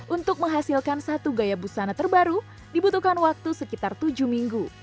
untuk menghasilkan satu gaya busana terbaru dibutuhkan waktu sekitar tujuh minggu